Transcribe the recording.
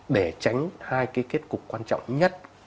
để tránh hai cái kết cục quan trọng nhất